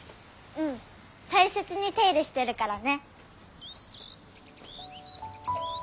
うん大切に手入れしてるからね。